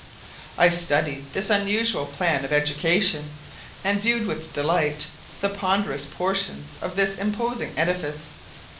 I studied this unusual plan of education and viewed with delight the ponderous portion of this imposing edifice.